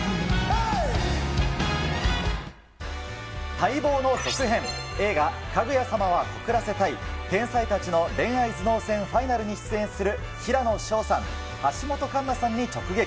待望の続編、映画、かぐや様は告らせたい天才たちの恋愛頭脳戦ファイナルに出演する平野紫耀さん、橋本環奈さんに直撃。